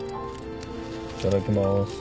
いただきます。